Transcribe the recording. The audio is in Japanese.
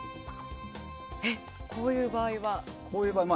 こういう場合は？